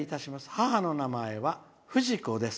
母の名前は、ふじこです」。